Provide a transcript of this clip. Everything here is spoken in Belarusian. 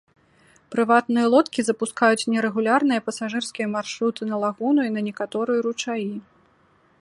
Прыватныя лодкі запускаюць нерэгулярныя пасажырскія маршруты на лагуну і на некаторыя ручаі.